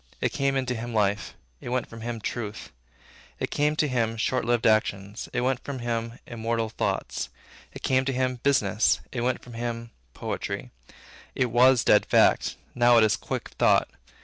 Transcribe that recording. It came into him, life; it went out from him, truth. It came to him, short lived actions; it went out from him, immortal thoughts. It came to him, business; it went from him, poetry. It was dead fact; now, it is quick thought.